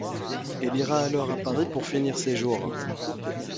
Elle ira alors à Paris pour finir ses jours.